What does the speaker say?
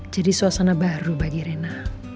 jadi suasana baru bagi rena